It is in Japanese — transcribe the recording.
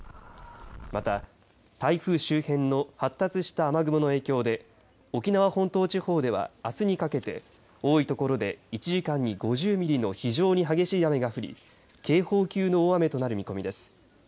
また、台風周辺の発達した雨雲の影響で沖縄本島地方では、あすにかけて多いところで１時間に５０ミリの非常に激しい雨が降り警報級の大雨となる見込みです。